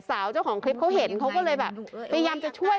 เจ้าของคลิปเขาเห็นเขาก็เลยแบบพยายามจะช่วย